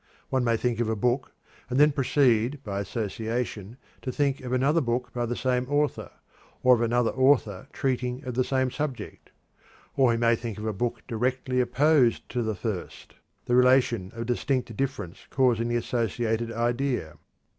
One may think of a book, and then proceed by association to think of another book by the same author, or of another author treating of the same subject. Or he may think of a book directly opposed to the first, the relation of distinct difference causing the associated idea.